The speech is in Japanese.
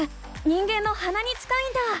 人間のはなに近いんだ！